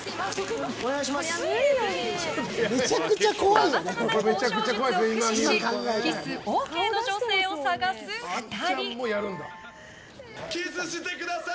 さまざまな交渉術を駆使しキスＯＫの女性を探す２人。